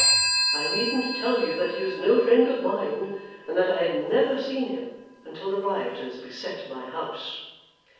I needn't tell you that he is no friend of mine, and that I had never seen him, until the rioters beset my house.